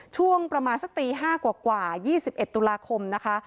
ช่วงประมาณสักตี๕กว่า๒๑ตุลาคมนะคะ